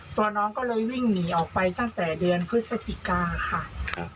ตัวน้องก็เลยวิ่งหนีออกไปตั้งแต่เดือนพฤศจิกาค่ะ